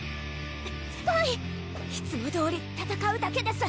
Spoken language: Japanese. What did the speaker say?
スカイいつもどおり戦うだけです